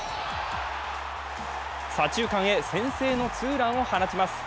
左中間へ先制のツーランを放ちます。